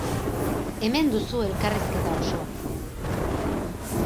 Hemen duzu elkarrizketa osoa!